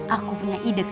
aku punya ide kakak